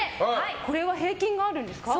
これは平均があるんですか？